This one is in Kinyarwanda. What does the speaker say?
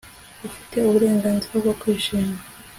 Ufite uburenganzira bwo kwishima